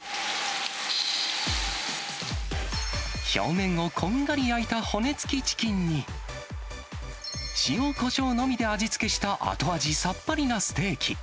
表面をこんがり焼いた骨付きチキンに、塩、こしょうのみで味付けした後味さっぱりなステーキ。